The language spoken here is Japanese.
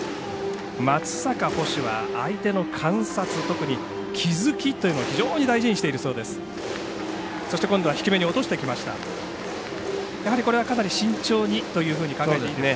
松坂捕手は相手の観察特に気付きというのを非常に大事にしているそうです。